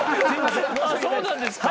そうなんですか。